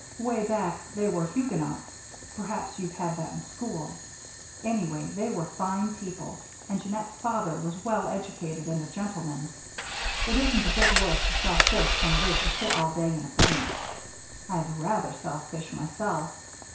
'Way back, they were Huguenots perhaps you've had those in school. Anyway, they were fine people. And Jeannette's father was well educated and a gentleman. It isn't a bit worse to sell fish than it is to sit all day in a bank. I'd rather sell fish, myself....